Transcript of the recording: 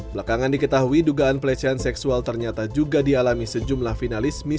belakangan diketahui dugaan pelecehan seksual ternyata juga dialami sejumlah finalis miss